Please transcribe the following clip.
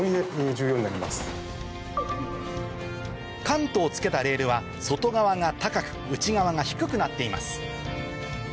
カントをつけたレールは外側が高く内側が低くなっています